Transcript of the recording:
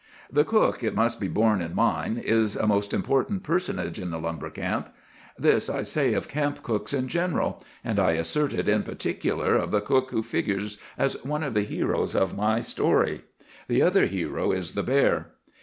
"The cook, it must be borne in mind, is a most important personage in the lumber camp. This I say of camp cooks in general, and I assert it in particular of the cook who figures as one of the heroes in my story. The other hero is the bear.